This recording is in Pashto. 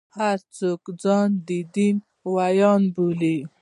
هر څوک ځان د دین ویاند بولي.